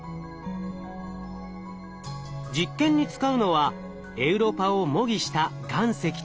実験に使うのはエウロパを模擬した岩石と水。